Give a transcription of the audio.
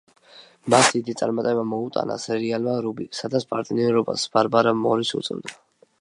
მას დიდი წარმატება მოუტანა სერიალმა „რუბი“, სადაც პარტნიორობას ბარბარა მორის უწევდა.